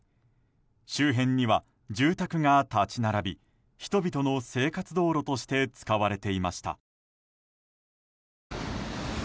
周辺には、住宅が立ち並び人々の生活道路として使われていました。